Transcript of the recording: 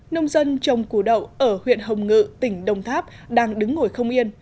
nông dân trồng củ đậu ở huyện hồng ngự tỉnh đồng tháp đang đứng ngồi không yên